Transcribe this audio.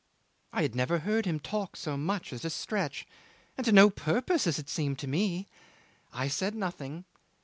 I had never heard him talk so much at a stretch, and to no purpose as it seemed to me. I said nothing.